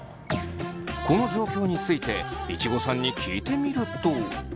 この状況についていちごさんに聞いてみると。